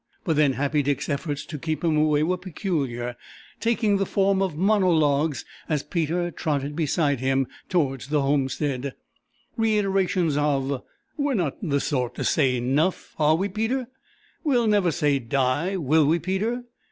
But then Happy Dick's efforts to keep him away were peculiar, taking the form of monologues as Peter trotted beside him towards the homestead—reiterations of: "We're not the sort to say nuff, are we, Peter? We'll never say die, will we, Peter?